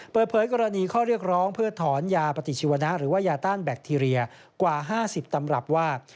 เปิดเผยกรณีข้อเรียกร้องเพื่อถอนยาปฏิชีวนะหรือว่ายาต้านแบคทีเรียกว่า๕๐ตำรับว่า